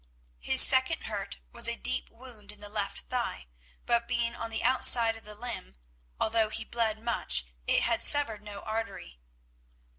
His second hurt was a deep wound in the left thigh, but being on the outside of the limb, although he bled much it had severed no artery.